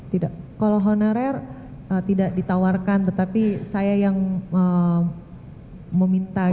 tidak kalau honorer tidak ditawarkan tetapi saya yang meminta